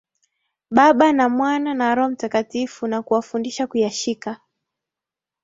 Baba na Mwana na Roho Mtakatifu na kuwafundisha kuyashika